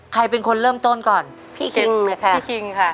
ใครเป็นคนเริ่มต้นก่อนพี่คิงนะคะพี่คิงค่ะ